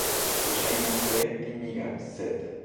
Li ŝajnas tre timiga... sed!